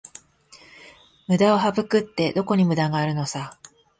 ムダを省くって、どこにムダがあるのさ